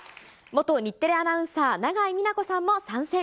元日テレアナウンサー、永井美奈子さんも参戦。